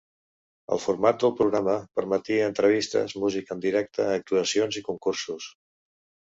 El format del programa permetia entrevistes, música en directe, actuacions i concursos.